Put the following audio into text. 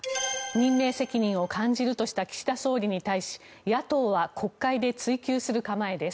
任命責任を感じるとした岸田総理に対し野党は国会で追及する構えです。